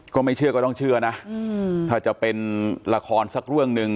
ก็ไม่เชื่อก็ต้องเชื่อนะถ้าจะเป็นละครสักเรื่องหนึ่ง